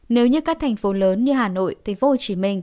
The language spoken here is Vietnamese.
nếu như các thành phố lớn như hà nội tp hcm